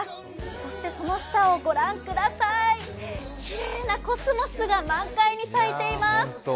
そして、その下を御覧ください、きれいなコスモスが満開に咲いています。